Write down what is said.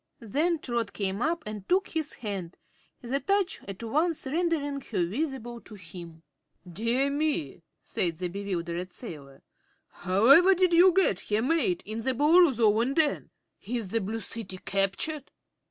Then Trot came up and took his hand, the touch at once rendering her visible to him. "Dear me!" said the bewildered sailor; "however did you get here, mate, in the Boolooroo's own den? Is the Blue City captured?"